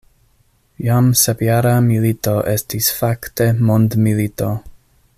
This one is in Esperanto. Jam sepjara milito estis fakte mondmilito.